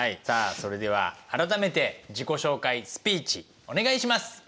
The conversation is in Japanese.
それでは改めて自己紹介スピーチお願いします。